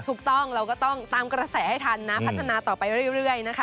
ถูกต้องเราก็ต้องตามกระแสให้ทันนะพัฒนาต่อไปเรื่อยนะคะ